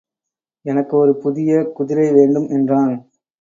எனக்கு ஒரு புதிய குதிரைவேண்டும் என்றான்.